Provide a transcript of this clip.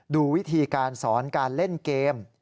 ดูวิธีการสอนการเล่นเกม